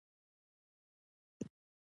بيا به له سوړ اسويلي سره په مېز پرېوتله.